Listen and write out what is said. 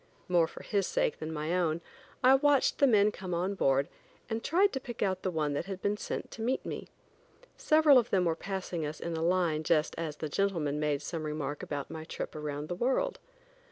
More for his sake than my own, I watched the men come on board, and tried to pick out the one that had been sent to meet me. Several of them were passing us in a line just as a gentleman made some remark about my trip around the world.